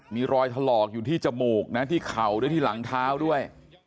มีรอยถลอกอยู่ที่จมูกนะที่เข่าด้วยที่หลังเท้าด้วย